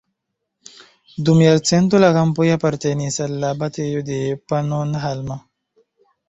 Dum jarcento la kampoj apartenis al abatejo de Pannonhalma.